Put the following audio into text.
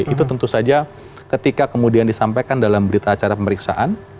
itu tentu saja ketika kemudian disampaikan dalam berita acara pemeriksaan